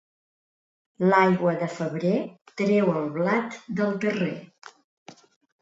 L'aigua de febrer treu el blat del terrer.